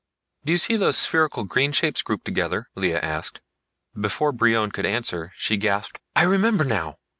"Do you see those spherical green shapes grouped together?" Lea asked. Before Brion could answer she gasped, "I remember now!"